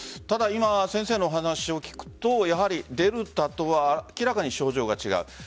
ただ今、先生のお話を聞くとデルタとは明らかに症状が違う。